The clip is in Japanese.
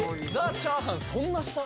チャーハンそんな下！？